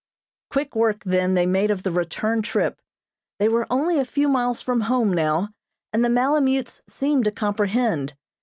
Quick work then they made of the return trip. They were only a few miles from home now, and the malemutes seemed to comprehend.